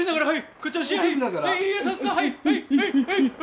はい。